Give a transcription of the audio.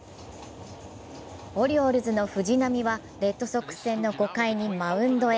オリオールズの藤浪晋太郎はレッドソックス戦の５回にマウンドへ。